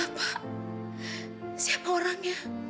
ibu sudah menyumbangkan darah banyak sekali